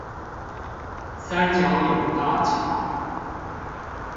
三角湧大橋